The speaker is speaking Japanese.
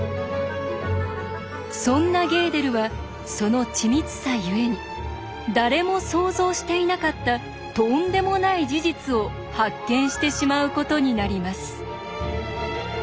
そんなゲーデルはその緻密さゆえに誰も想像していなかったとんでもない事実を発見してしまうことになります。